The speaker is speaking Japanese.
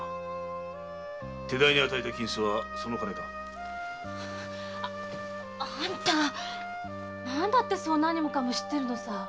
手代に与えた金はその金だろう？あんた何だってそう何もかも知ってるんですか？